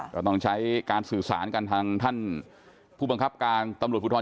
ก็ต้องใช้การสื่อสารกันทางท่านผู้บังคับการตำรวจภูทร